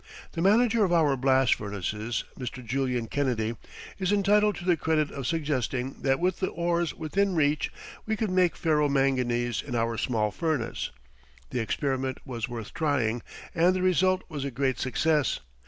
The manager of our blast furnaces, Mr. Julian Kennedy, is entitled to the credit of suggesting that with the ores within reach we could make ferro manganese in our small furnace. The experiment was worth trying and the result was a great success.